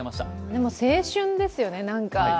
でも青春ですよね、なんか。